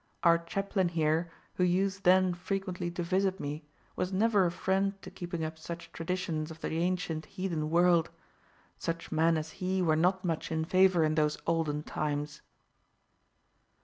Our chaplain here, who used then frequently to visit me, was never a friend to keeping up such traditions of the ancient heathen world. Such men as he were not much in favour in those olden times."